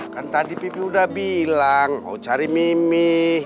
kan tadi pipe udah bilang mau cari mimi